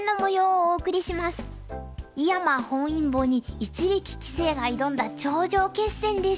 井山本因坊に一力棋聖が挑んだ頂上決戦でした。